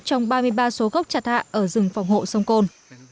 trong ba mươi ba số gốc chặt hạ ở rừng phòng hộ sông côn